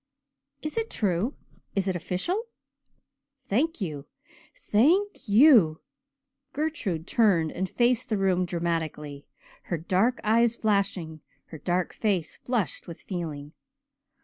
Is it true is it official? Thank you thank you." Gertrude turned and faced the room dramatically, her dark eyes flashing, her dark face flushed with feeling.